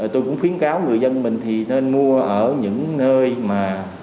tôi cũng khuyến cáo người dân mình thì nên mua ở những nơi mà